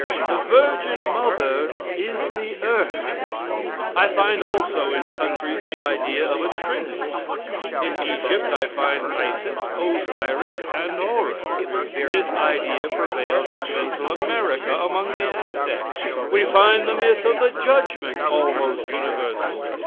The virgin mother is the earth. I find also in countries the idea of a trinity. In Egypt I find Isis, Osiris, and Horus. This idea prevailed in Central America among the Aztecs. We find the myth of the judgment almost universal.